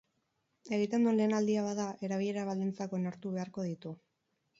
Egiten duen lehen aldia bada, erabilera baldintzak onartu beharko ditu.